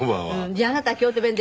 じゃああなたは京都弁で。